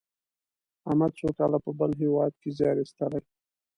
احمد څو کاله په بل هېواد کې زیار ایستلی.